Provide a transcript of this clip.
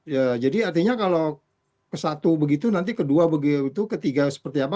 ya jadi artinya kalau ke satu begitu nanti ke dua begitu ke tiga seperti apa